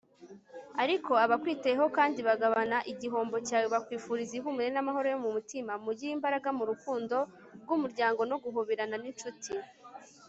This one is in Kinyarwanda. ariko abakwitayeho kandi bagabana igihombo cyawe bakwifuriza ihumure n'amahoro yo mumutima mugire imbaraga mu rukundo rw'umuryango no guhoberana n'incuti